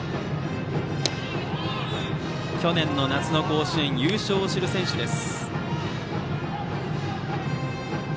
去年の夏の甲子園の優勝を知る選手です。